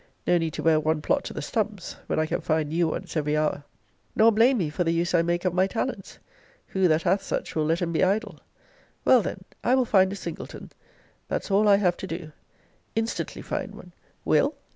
No need to wear one plot to the stumps, when I can find new ones every hour. Nor blame me for the use I make of my talents. Who, that hath such, will let 'em be idle? Well, then, I will find a Singleton; that's all I have to do. Instantly find one! Will!